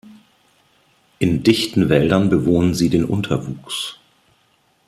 In dichten Wäldern bewohnen sie den Unterwuchs.